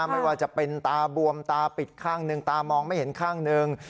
ไม่ว่าจะเป็นตาบวมตาปิดข้างหนึ่งตามองไม่เห็นข้างหนึ่ง